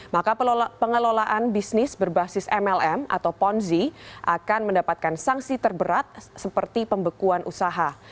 maka pengelolaan bisnis berbasis mlm atau ponzi akan mendapatkan sanksi terberat seperti pembekuan usaha